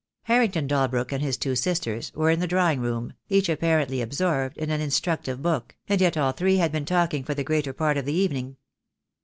Harrington Dalbrook and his two sisters were in the drawing room, each apparently absorbed in an instructive book, and yet all three had been talking for the greater part of the evening.